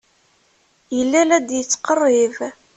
Yella la d-yettqerrib.